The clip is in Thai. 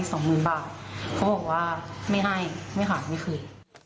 สองหมื่นบาทเขาบอกว่าไม่ให้ไม่หายไม่คืน